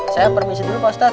saya permisi dulu pak ustadz